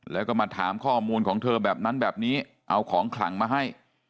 แล้วก็มาถามข้อมูลของเธอแบบนั้นแบบนี้เอาของขลังมาให้